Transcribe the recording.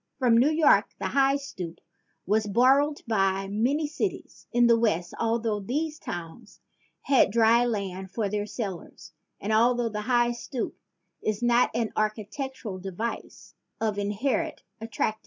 From New York the high stoop was borrowed by many cities in the West, altho these towns had dry land for their cellars and altho the high stoop is not an architectural device of inherent attractiveness.